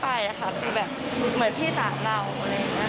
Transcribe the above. ใช่นะคะคือแบบเหมือนพี่ต่างเรา